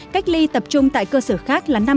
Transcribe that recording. cách ly tập trung tại cơ sở khác là năm một trăm tám mươi